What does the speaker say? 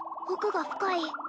奥が深い